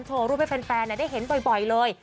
รูปให้แฟนได้เห็นบ่อยเลย